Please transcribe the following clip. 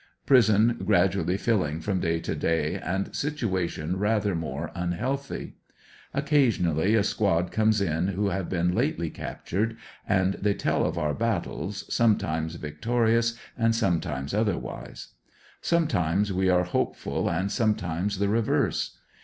Prison grad ually filling from day to day, and situation rather more unhealthy. Occasionally a squad comes m who have been lately captured, and they tell of our battles, sometimes victorious and sometimes otherwise. Sometimes we are hopeful and sometimes the reverse.